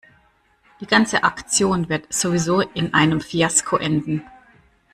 Die ganze Aktion wird sowieso in einem Fiasko enden.